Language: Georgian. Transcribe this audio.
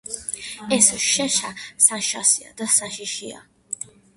ეს შეშა საშასია და საშიშია